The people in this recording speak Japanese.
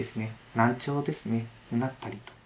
難聴ですねなったりとか。